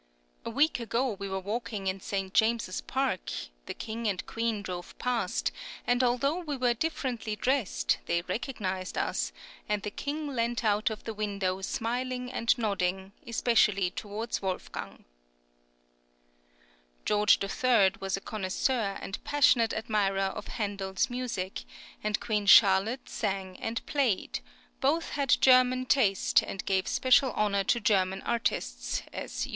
A week ago we were walking in St. James's Park; the King and Queen drove past, and although we were differently dressed, they recognised us, and the King leant out of the window smiling and nodding, especially towards Wolfgang." George III. was a connoisseur and passionate admirer of Handel's music, and Queen Charlotte sang and played; both had German taste, and gave special honour to German artists, as Jos.